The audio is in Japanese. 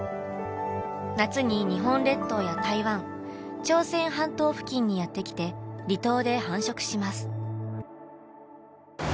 夏に日本列島や台湾朝鮮半島付近にやってきて離島で繁殖します。